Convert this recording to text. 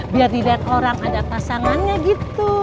biar dilihat orang ada pasangannya gitu